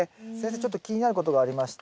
ちょっと気になることがありまして。